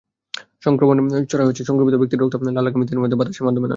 সংক্রমণ ছড়ায় সংক্রমিত ব্যক্তির রক্ত, লালা, ঘাম ইত্যাদির মাধ্যমে, বাতাসের মাধ্যমে নয়।